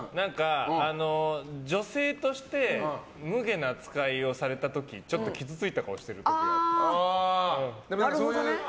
女性として無碍な扱いをされた時ちょっと傷ついた顔してる時がある。